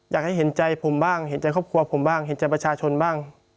เห็นใจผมบ้างเห็นใจครอบครัวผมบ้างเห็นใจประชาชนบ้าง